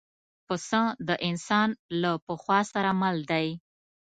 پسه د انسان له پخوا سره مل دی.